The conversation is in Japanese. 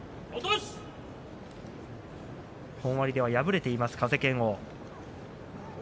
本割では敗れている風賢央。